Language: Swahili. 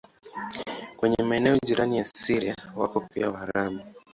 Kwenye maeneo jirani na Syria wako pia Waarabu.